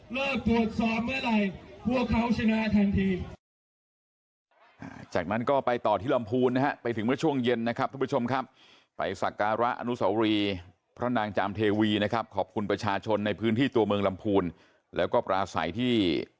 เมื่อตรวจสอบเมื่อไหร่พวกเขาชนะทันที